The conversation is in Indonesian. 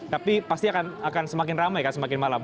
tapi pasti akan semakin ramai kan semakin malam